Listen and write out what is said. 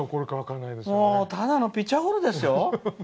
ただのピッチャーゴロですよ。